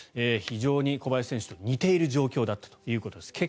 非常に小林選手と似ている状況だということです。